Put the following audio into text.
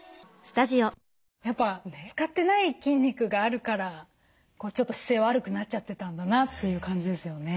やっぱ使ってない筋肉があるからちょっと姿勢悪くなっちゃってたんだなという感じですよね。